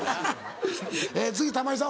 次玉井さん